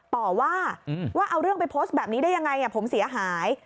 ต่อว่าว่าเอาเรื่องไปโพสต์แบบนี้ได้ยังไงผมเสียหาย